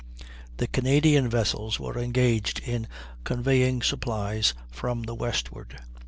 The Canadian vessels were engaged in conveying supplies from the westward.